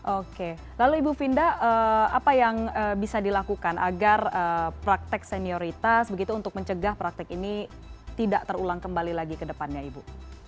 oke lalu ibu finda apa yang bisa dilakukan agar praktek senioritas begitu untuk mencegah praktik ini tidak terulang kembali lagi ke depannya ibu